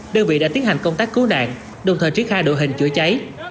đơn vị đã tiến hành công tác cứu nạn đồng thời triển khai đội hình chữa cháy